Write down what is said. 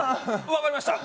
分かりました